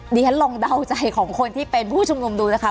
เดี๋ยวฉันลองเดาใจของคนที่เป็นผู้ชุมนุมดูนะคะ